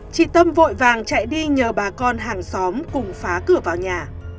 chị tâm vội vàng chạy đi nhờ bà con hàng xóm cùng phá cửa vào nhà